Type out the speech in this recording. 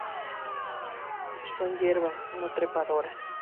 Son hierbas no trepadoras.